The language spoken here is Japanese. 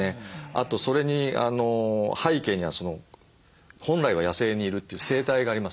あとそれに背景には本来は野生にいるという生態がありますね。